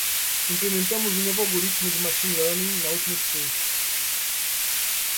Implementamos um novo algoritmo de machine learning na última sprint.